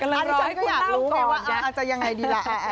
อันนี้ฉันก็อยากรู้ไงว่าอาจจะยังไงดีล่ะ